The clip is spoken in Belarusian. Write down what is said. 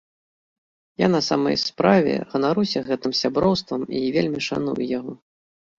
Я на самай справе ганаруся гэтым сяброўствам і вельмі шаную яго.